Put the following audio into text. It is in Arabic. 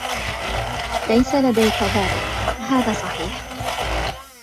ليس لديك ذلك، أهذا صحيح؟